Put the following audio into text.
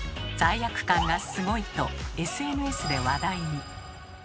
「罪悪感がスゴい！」とＳＮＳで話題に。